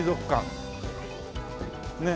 ねえ。